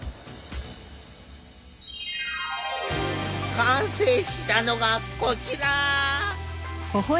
完成したのがこちら！